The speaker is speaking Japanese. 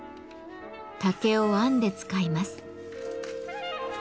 竹を編んで使います。